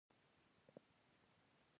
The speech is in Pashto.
لویه جګه زړه ونه وه .